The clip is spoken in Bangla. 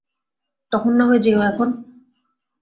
তখন না হয় যেয়ো এখন।